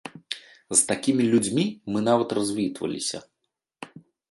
З такімі людзьмі мы нават развітваліся.